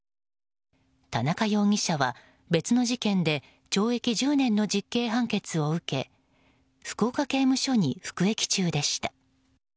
田中容疑者は別の事件で懲役１０年の実刑判決を受け福岡刑務所に服役中でした。